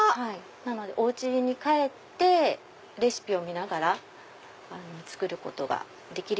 なのでお家に帰ってレシピを見ながら作ることができます。